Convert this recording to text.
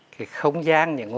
cái không gian